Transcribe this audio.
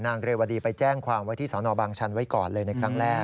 เรวดีไปแจ้งความไว้ที่สนบางชันไว้ก่อนเลยในครั้งแรก